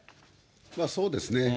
そうですね。